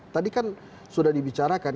tadi kan sudah dibicarakan